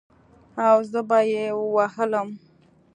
او زه به يې ووهلم.